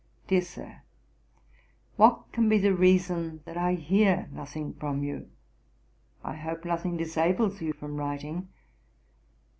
'DEAR SIR, 'What can be the reason that I hear nothing from you? I hope nothing disables you from writing.